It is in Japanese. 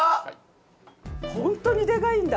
ホントにでかいんだ。